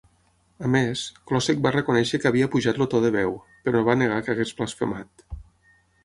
A més, Klocek va reconèixer que havia apujat el to de veu, però va negar que hagués blasfemat.